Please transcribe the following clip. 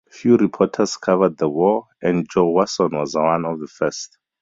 Few reporters covered the war, and Joe Wasson was one of the first.